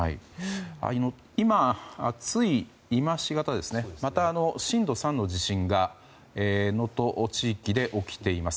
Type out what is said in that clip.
つい今しがたまた震度３の地震が能登地域で起きています。